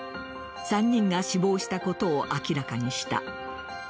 ３人が死亡したことを明らかにした。